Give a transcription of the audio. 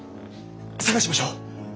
捜しましょう。